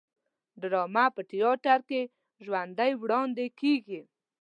ډرامه په تیاتر کې ژوندی وړاندې کیږي